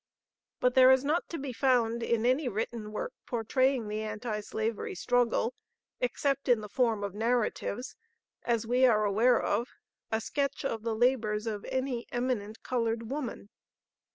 But there is not to be found in any written work portraying the Anti Slavery struggle, (except in the form of narratives,) as we are aware of, a sketch of the labors of any eminent colored woman.